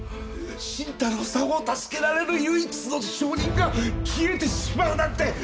新太郎さんを助けられる唯一の証人が消えてしまうなんて。